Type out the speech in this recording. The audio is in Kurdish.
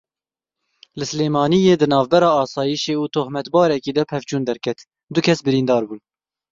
Li Silêmaniyê di navbera Asayişê û tohmetbarekî de pevçûn derket du kes birîndar bûn.